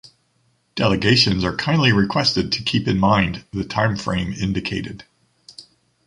Delegations are kindly requested to keep in mind the time frame indicated.